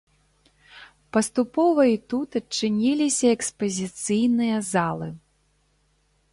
Паступова і тут адчыніліся экспазіцыйныя залы.